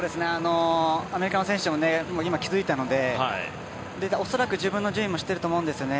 アメリカの選手も今、気付いたので恐らく自分の順位も知っていると思うんですよね。